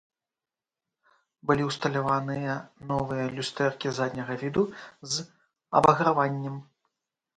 Былі ўсталяваныя новыя люстэркі задняга віду з абаграваннем.